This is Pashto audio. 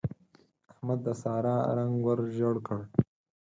احمد د سارا رنګ ور ژړ کړ.